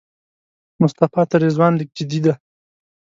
مصطفی تر رضوان لږ جدي دی.